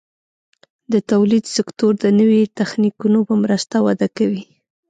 د تولید سکتور د نوي تخنیکونو په مرسته وده کوي.